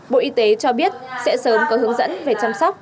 bộ y tế cho biết sẽ sớm có hướng dẫn về chăm sóc